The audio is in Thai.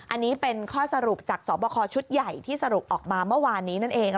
อันนี้เป็นข้อสรุปจากสอบคอชุดใหญ่ที่สรุปออกมาเมื่อวานนี้นั่นเอง